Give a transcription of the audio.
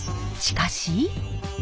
しかし。